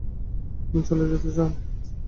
তুমি চলে যেতে চাও?